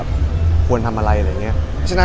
เปล่าค่ะ